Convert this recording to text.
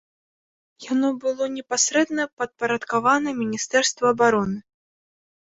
Яно было непасрэдна падпарадкавана міністэрству абароны.